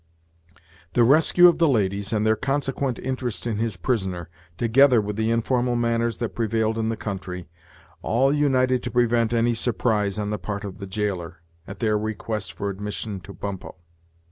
The rescue of the ladies, and their consequent interest in his prisoner, together with the informal manners that prevailed in the country, all united to prevent any surprise on the part of the jailer, at their request for admission to Bumppo.